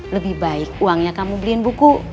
lebih baik uangnya kamu beliin buku